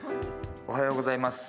おはようございます